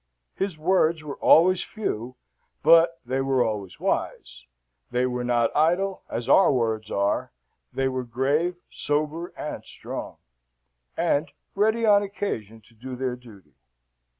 His words were always few, but they were always wise; they were not idle, as our words are, they were grave, sober, and strong, and ready on occasion to do their duty.